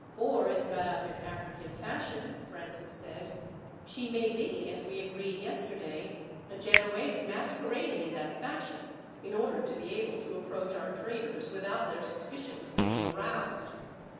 "Or is got up in African fashion," Francis said. "She may be, as we agreed yesterday, a Genoese masquerading in that fashion, in order to be able to approach our traders without their suspicions being aroused.